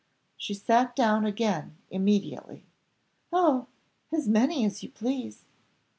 She sat down again immediately. "Oh! as many as you please."